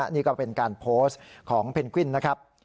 นี่ก็เป็นการโพสต์ของเพนกวินนะครับ